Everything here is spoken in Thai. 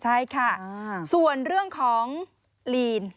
ใช่ค่ะส่วนเรื่องของลีน